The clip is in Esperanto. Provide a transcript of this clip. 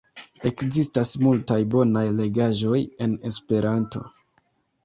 Ekzistas multaj bonaj legaĵoj en Esperanto.